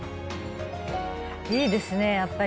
いいですね、やっぱり。